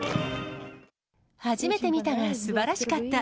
初めて見たが、すばらしかった。